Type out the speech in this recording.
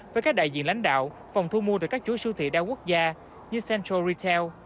với các đại diện lãnh đạo phòng thu mua từ các chuối siêu thị đa quốc gia như central retail